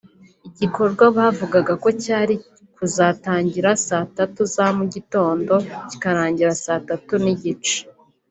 igikorwa bavugaga ko cyari kuzatangira saa tatu za mu gitondo kikarangira saa tatu n’igice